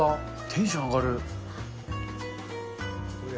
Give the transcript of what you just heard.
テンション上がる。